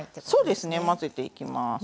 そうですね混ぜていきます。